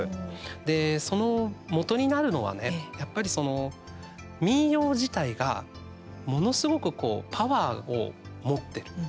で、そのもとになるのはねやっぱり、民謡自体がものすごくパワーを持ってる。